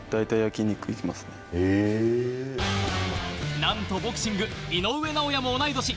なんとボクシングの井上尚弥も同い年。